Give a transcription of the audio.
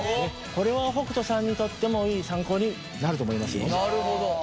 これは北斗さんにとってもいい参考になると思いますよ。